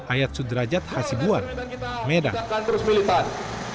ayat sudrajat hasibuan medan